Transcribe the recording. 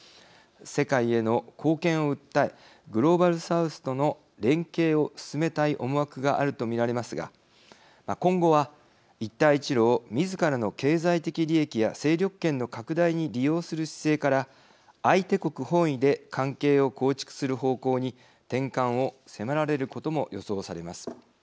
世界への貢献を訴えグローバル・サウスとの連携を進めたい思惑があると見られますが今後は一帯一路をみずからの経済的利益や勢力圏の拡大に利用する姿勢から相手国本位で関係を構築する方向に転換を迫られることも予想されます。